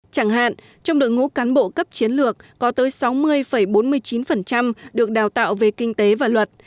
chẳng hạn trong đội ngũ cán bộ cấp chiến lược có tới sáu mươi bốn mươi chín được đào tạo về kinh tế và luật